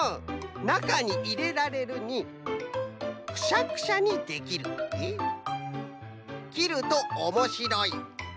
「なかにいれられる」に「くしゃくしゃにできる」に「きるとおもしろい」。